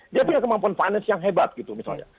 dia punya kemampuan finance yang hebat gitu misalnya